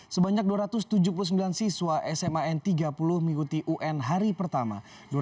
sebanyak dua ratus tujuh puluh sembilan siswa sma n tiga puluh mengikuti un hari pertama